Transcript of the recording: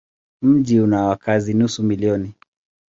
Mji una wakazi nusu milioni.